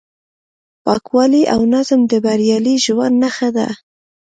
پاکوالی او نظم د بریالي ژوند نښه ده.